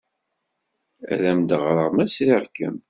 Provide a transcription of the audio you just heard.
Ad am-d-ɣreɣ, ma sriɣ-kem.